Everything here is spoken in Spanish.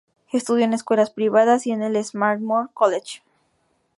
Estudió en escuelas privadas y en el Swarthmore College.